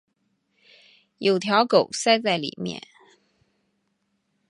有条狗塞在里面